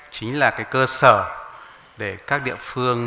chính là cơ sở để các địa phương